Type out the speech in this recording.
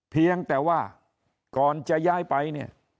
เพียงแต่ว่าก่อนจะย้ายไปเนี่ย